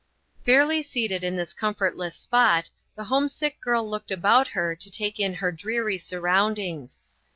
Fairly seated in this comfortless spot, the homesick girl looked about her to take in her dreary surroundings.